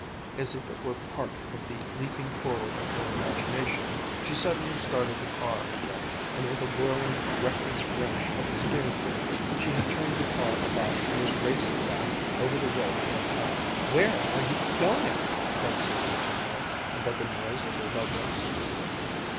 As if it were part of the leaping forward of her imagination, she suddenly started the car again, and with a whirling, reckless wrench at the steering wheel she had turned the car about and was racing back over the road they had come. "Where are you going?" cried Sylvia to her, above the noise of their progress.